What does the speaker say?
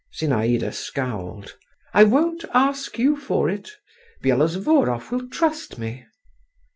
Zinaïda scowled. "I won't ask you for it; Byelovzorov will trust me."